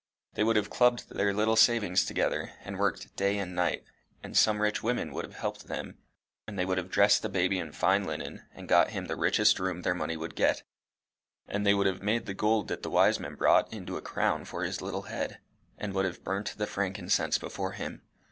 They would have clubbed their little savings together, and worked day and night, and some rich women would have helped them, and they would have dressed the baby in fine linen, and got him the richest room their money would get, and they would have made the gold that the wise men brought into a crown for his little head, and would have burnt the frankincense before him.